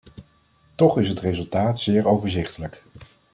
Toch is het resultaat zeer overzichtelijk.